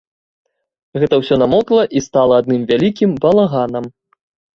Гэта ўсё намокла і стала адным вялікім балаганам.